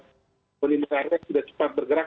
penyelidikan rek sudah cepat bergerak